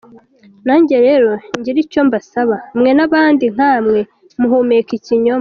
Nanjye rero ngire icyo mbasaba, mwe n’abandi nkamwe muhumeka ikinyoma.